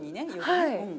はい。